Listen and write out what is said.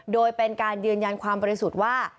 โดยเป็นการยืนยันความบริสุทธิ์ว่า